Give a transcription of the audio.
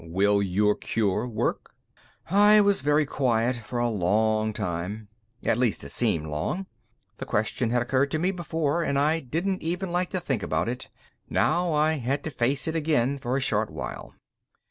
Will your cure work?" I was very quiet for along time. At least, it seemed long. The question had occurred to me before, and I didn't even like to think about it. Now, I had to face it again for a short while.